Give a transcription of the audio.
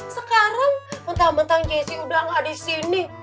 sekarang mentah mentah jessy udah gak ada di sini